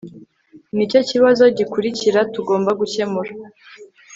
Nicyo kibazo gikurikira tugomba gukemura